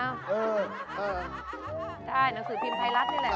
ใช่หนังสือพิมพ์ไทยรัฐนี่แหละ